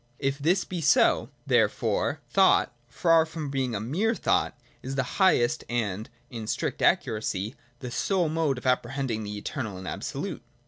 If this be so, there fore, thought, far from being a mere thought, is the highest and, in strict accuracy, the sole mode of apprehending the eternal and absolute.